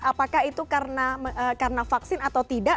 apakah itu karena vaksin atau tidak